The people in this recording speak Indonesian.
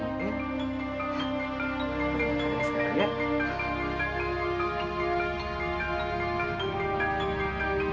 kami ikut burada kah